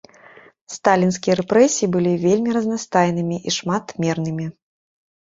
Сталінскія рэпрэсіі былі вельмі разнастайнымі і шматмернымі.